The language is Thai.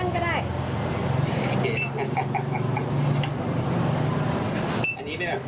เป็น๑๓๕บาทครับ